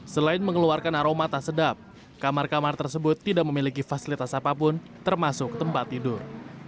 selain mengeluarkan aroma tak sedap kamar kamar tersebut tidak memiliki fasilitas apapun termasuk tempat tidur